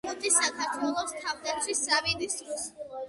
ეკუთვნის საქართველოს თავდაცვის სამინისტროს.